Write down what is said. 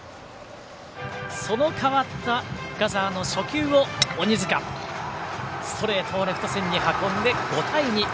その代わった深沢の初球を、鬼塚ストレートをレフト線に運んで５対２。